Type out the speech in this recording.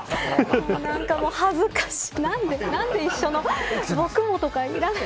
なんかもう恥ずかしい。